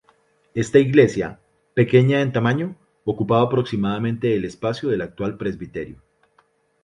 Esta iglesia, pequeña en tamaño, ocupaba aproximadamente el espacio del actual presbiterio.